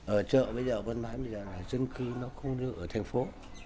ở chợ bây giờ vôn bán bây giờ là dân cư nó không được ở thành phố